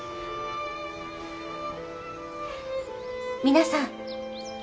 皆さん。